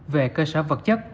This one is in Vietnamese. về cơ sở vật chất